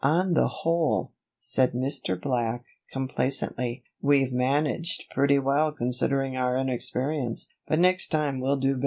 "On the whole," said Mr. Black, complacently, "we've managed pretty well considering our inexperience; but next time we'll do better."